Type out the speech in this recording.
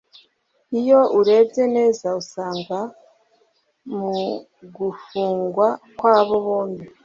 Iyo urebye neza usanga mugufungwa kw’abo bombi